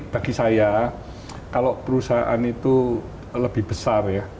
bagi saya kalau perusahaan itu lebih besar ya